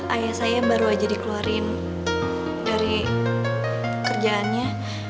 ayah saya baru aja dikeluarin dari kerjaannya